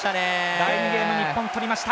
第２ゲーム日本とりました。